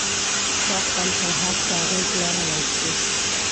شخصاً پر هر څه اغیز لرلای شي.